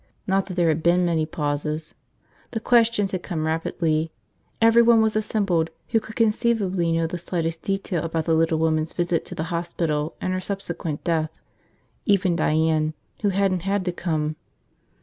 Not that there had been many pauses. The questions had come rapidly. Everyone was assembled who could conceivably know the slightest detail about the little woman's visit to the hospital and her subsequent death – even Diane, who hadn't had to come.